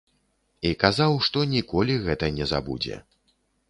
І казаў, што ніколі гэта не забудзе.